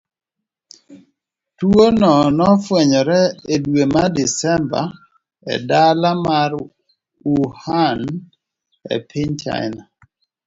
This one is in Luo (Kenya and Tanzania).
Tuwono ne ofwenyore e dwe mar Desemba e dala mar Wuhan, e piny China.